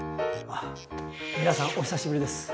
あっ皆さんお久しぶりです。